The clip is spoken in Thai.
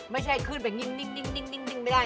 ไม่ใช่ขึ้นแต่นิ่งไม่ได้